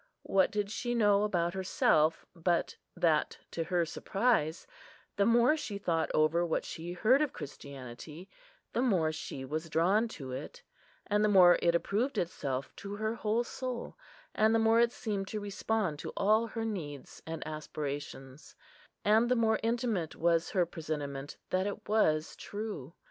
What did she know about herself, but that, to her surprise, the more she thought over what she heard of Christianity, the more she was drawn to it, and the more it approved itself to her whole soul, and the more it seemed to respond to all her needs and aspirations, and the more intimate was her presentiment that it was true?